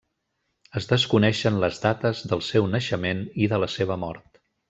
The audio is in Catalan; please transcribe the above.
Es desconeixen les dates del seu naixement i de la seva mort.